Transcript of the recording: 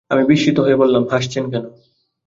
আমি বিস্মিত হয়ে বললাম, হাসছেন কেন?